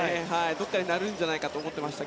どこかでなるんじゃないかと思っていました。